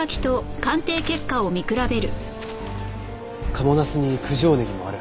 賀茂茄子に九条ネギもある。